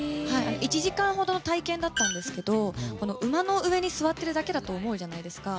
１時間ほど体験だったんですけど馬の上に座ってるだけだと思うじゃないですか。